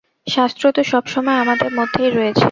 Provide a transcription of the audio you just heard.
শাস্ত্র তো সবসময় আমাদের মধ্যেই রয়েছে।